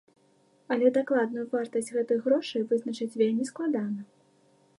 Але дакладную вартасць гэтых грошай вызначыць вельмі складана.